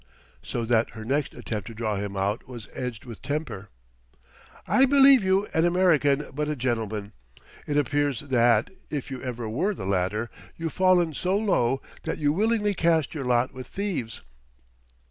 So that her next attempt to draw him out was edged with temper. "I believed you an American but a gentleman; it appears that, if you ever were the latter, you've fallen so low that you willingly cast your lot with thieves."